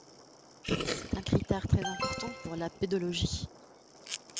C’est un critère très important pour la pédologie.